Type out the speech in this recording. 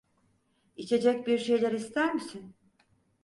İçecek bir şeyler ister misin?